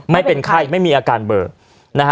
ไม่เป็นไข้ไม่มีอาการเบลอ